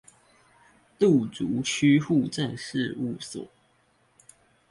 路竹區戶政事務所